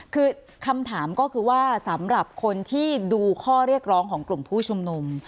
คือคำถามก็คือว่าสำหรับคนที่ดูข้อเรียกร้องของกลุ่มผู้ชุมนุม